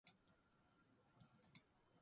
彼は天才である